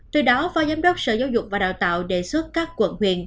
từ đó phó giám đốc sở giáo dục và đào tạo đề xuất các quận huyện